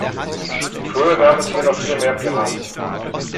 Früher gab es hier noch viel mehr Piraten.